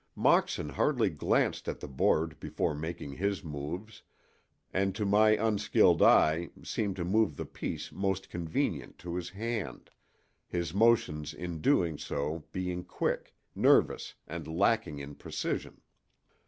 Moxon hardly glanced at the board before making his moves, and to my unskilled eye seemed to move the piece most convenient to his hand, his motions in doing so being quick, nervous and lacking in precision.